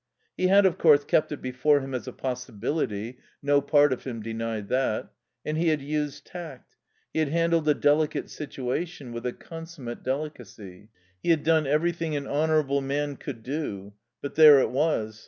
He had, of course, kept it before him as a possibility (no part of him denied that). And he had used tact. He had handled a delicate situation with a consummate delicacy. He had done everything an honourable man could do. But there it was.